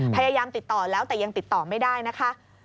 พยายามติดต่อแล้วแต่ยังติดต่อไม่ได้นะคะ